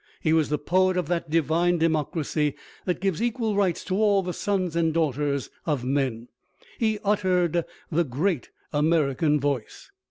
He was the poet of that divine democracy that gives equal rights to all the sons and daughters of men. He uttered the great American voice."